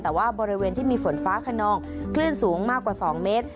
แต่ว่าบริเวณที่มีฝนฟ้าขนองคลื่นสูงมากกว่า๒เมตร